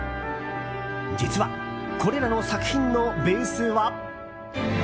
実は、これらの作品のベースは。